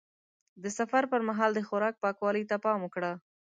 د سفر پر مهال د خوراک پاکوالي ته پام وکړه.